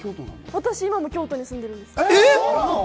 私、今京都に住んでるんです。